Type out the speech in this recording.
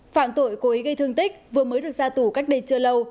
phạm tội cố ý gây thương tích vừa mới được ra tù cách đây chưa lâu